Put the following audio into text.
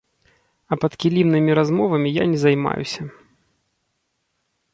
А падкілімнымі размовамі я не займаюся.